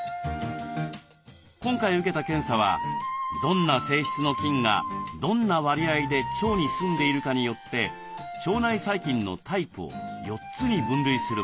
今回受けた検査はどんな性質の菌がどんな割合で腸にすんでいるかによって腸内細菌のタイプを４つに分類するものです。